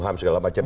ham segala macam